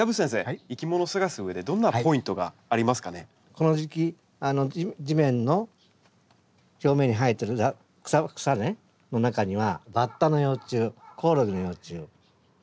この時期地面の表面に生えてる草の中にはバッタの幼虫コオロギの幼虫たくさんいます。